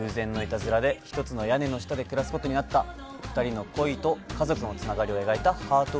１つ屋根の下で暮らすことになった２人の恋と家族のつながりを描いたハート